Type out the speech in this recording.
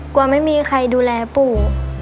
กลัวไม่มีใครดูแลปู่